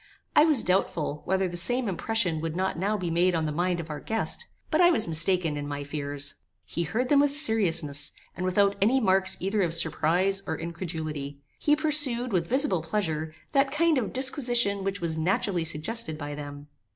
I was doubtful, whether the same impression would not now be made on the mind of our guest; but I was mistaken in my fears. He heard them with seriousness, and without any marks either of surprize or incredulity. He pursued, with visible pleasure, that kind of disquisition which was naturally suggested by them.